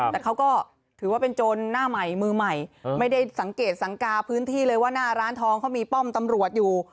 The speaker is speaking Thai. แต่เขาก็ถือว่าเป็นโจรหน้าใหม่มือใหม่ไม่ได้สังเกตสังกาพื้นที่เลยว่าหน้าร้านทองเขามีป้อมตำรวจอยู่